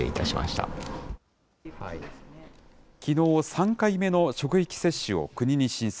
きのう、３回目の職域接種を国に申請。